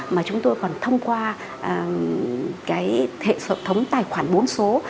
mà chúng tôi còn thông qua cái hệ thống tài khoản bốn số